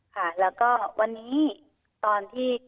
ค่ะแล้วก็วันนี้ตอนที่